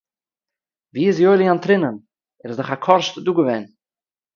ווי איז יואלי אנטרינען? ער איז דאך אקוראשט דא געווען